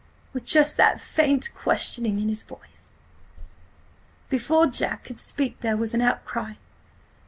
With just that faint, questioning in his voice. "Before Jack could speak there was an outcry.